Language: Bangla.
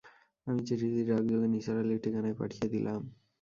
আমি চিঠিটি ডাকযোগে নিসার আলির ঠিকানায় পাঠিয়ে দিলাম।